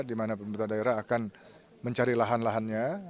di mana pemerintah daerah akan mencari lahan lahannya